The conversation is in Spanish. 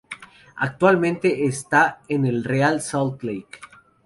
Actualmente está en el Real Salt Lake.